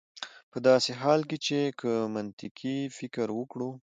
په داسې حال کې چې که منطقي فکر وکړو